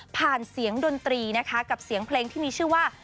เสียงดนตรีนะคะกับเสียงเพลงที่มีชื่อว่า